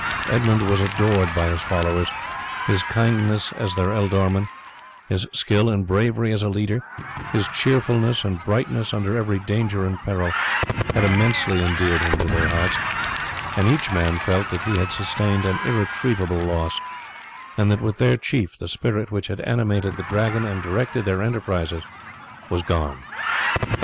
Edmund was adored by his followers. His kindness as their ealdorman, his skill and bravery as a leader, his cheerfulness and brightness under every danger and peril had immensely endeared him to their hearts, and each man felt that he had sustained an irretrievable loss, and that with their chief the spirit which had animated the Dragon and directed their enterprises was gone.